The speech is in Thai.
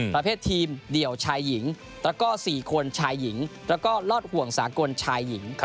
ประเภททีมเดี่ยวชายหญิงแล้วก็๔คนชายหญิงแล้วก็รอดห่วงสากลชายหญิง